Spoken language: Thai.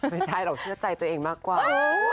ไม่ใช่เราเชื่อใจตัวเองมากกว่า